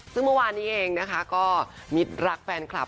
ซึ่งเมื่อวานนี้เองนะคะก็มิดรักแฟนคลับ